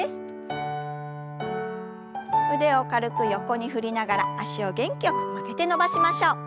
腕を軽く横に振りながら脚を元気よく曲げて伸ばしましょう。